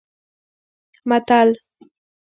متل